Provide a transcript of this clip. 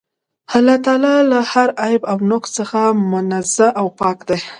الله تعالی له هر عيب او نُقص څخه منزَّه او پاك دی